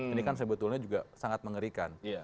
ini kan sebetulnya juga sangat mengerikan